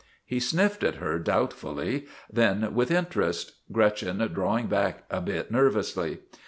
He sniffed at her doubtfully, then with in terest, Gretchen drawing back a bit nervously.